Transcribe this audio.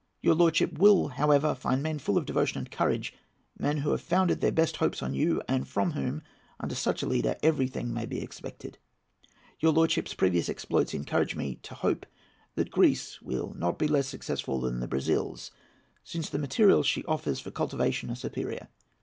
Your lordship will, however, find men full of devotion and courage—men who have founded, their best hopes on you, and from whom, under such a leader, everything may be expected. Your lordship's previous exploits encourage me to hope that Greece will not be less successful than the Brazils, since the materials she offers for cultivation are superior.